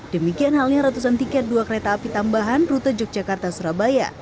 demikian halnya ratusan tiket dua kereta api tambahan rute yogyakarta surabaya